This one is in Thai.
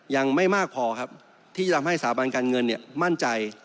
ยังไม่มากพอครับที่จะทำให้สถาบันการเงินมั่นใจ